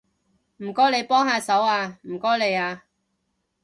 唔該你幫下手吖，唔該你吖